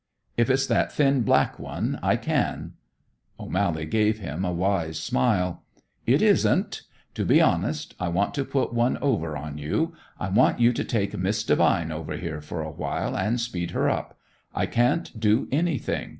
"If it's that thin black one, I can." O'Mally gave him a wise smile. "It isn't. To be honest, I want to put one over on you. I want you to take Miss Devine over here for a while and speed her up. I can't do anything.